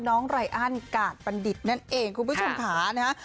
ไรอันกาดบัณฑิตนั่นเองคุณผู้ชมค่ะนะฮะ